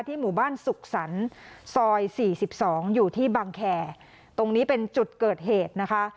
หมู่บ้านสุขสรรค์ซอย๔๒อยู่ที่บังแคร์ตรงนี้เป็นจุดเกิดเหตุนะคะ